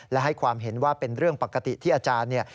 และให้ความเห็นว่าเป็นเรื่องปกติที่อาจารย์เนี่ย